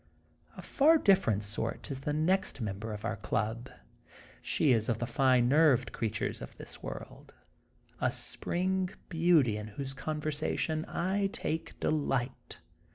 Of far different sort is the next member of our Club. She is of the fine nerved creatures ot this world, a spring beauty in whose conversa tion I take delight.